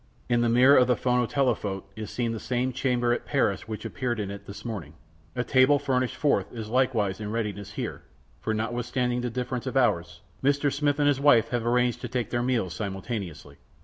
In the mirror of the phonotelephote is seen the same chamber at Paris which appeared in it this morning. A table furnished forth is likewise in readiness here, for notwithstanding the difference of hours, Mr. Smith and his wife have arranged to take their meals simultaneously.